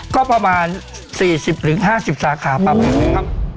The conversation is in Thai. ก็พราบ๔๐๕๐สาขาประมาณเนี้ย